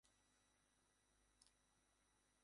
দলটির নির্বাচনী প্রতীক মোমবাতি।